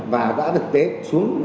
và đã được tế xuống